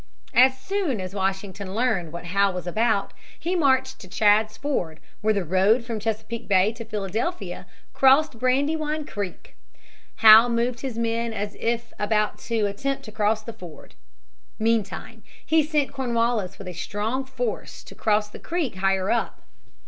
As soon as Washington learned what Howe was about, he marched to Chad's Ford, where the road from Chesapeake Bay to Philadelphia crossed Brandywine Creek. Howe moved his men as if about to attempt to cross the ford. Meantime he sent Cornwallis with a strong force to cross the creek higher up.